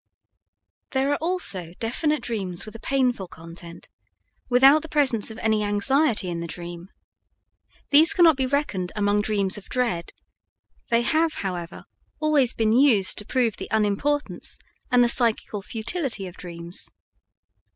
There are also definite dreams with a painful content, without the presence of any anxiety in the dream. These cannot be reckoned among dreams of dread; they have, however, always been used to prove the unimportance and the psychical futility of dreams.